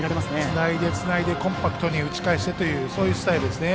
つないで、つないで打ち返してというスタイルですね。